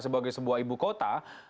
sebagai sebuah ibu kota